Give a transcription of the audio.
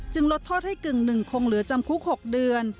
จึงลดทอดให้กึ่ง๑คงเหลือจำคุก๖เดือน